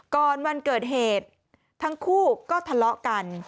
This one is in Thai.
วันเกิดเหตุทั้งคู่ก็ทะเลาะกัน